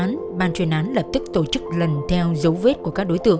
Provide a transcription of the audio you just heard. trong khi đối tượng vô án ban truyền án lập tức tổ chức lần theo dấu vết của các đối tượng